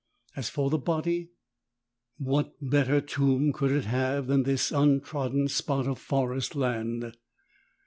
As for the body, what better tomb could it have than this untrodden spot of forest land?